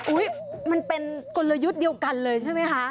มันเป็นกลยุทธ์เดียวกันเลยใช่ไหมคะ